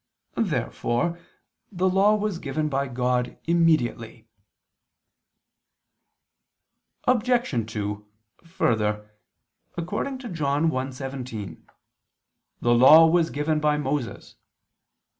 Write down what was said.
Therefore the Law was given by God immediately. Obj. 2: Further, according to John 1:17, "the Law was given by Moses."